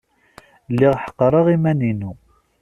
Lliɣ ḥeqreɣ iman-inu.